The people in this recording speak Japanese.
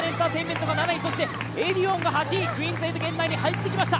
エディオンが８位、クイーンズ８圏内に入ってきました。